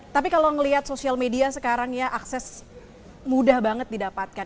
tapi kalau ngelihat sosial media sekarang ya akses mudah banget didapatkan